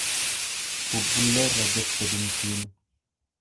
Bubbulleera jette dinkiin.